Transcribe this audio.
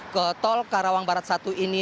ke tol karawang barat satu ini